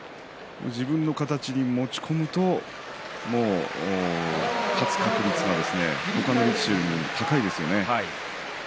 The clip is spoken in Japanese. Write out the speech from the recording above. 自分の形に持ち込むと勝つ確率が他の力士よりも高いですよね。